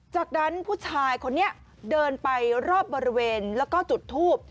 จากนั้นผู้ชายคนนี้เดินไปรอบบริเวณแล้วก็จุดทูบ